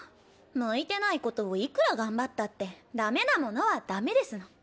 向いてないことをいくら頑張ったってダメなものはダメですの。